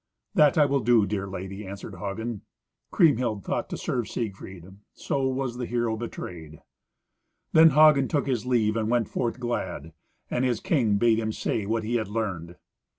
"That will I do, dear lady," answered Hagen. Kriemhild thought to serve Siegfried; so was the hero betrayed. Then Hagen took his leave and went forth glad; and his king bade him say what he had learned.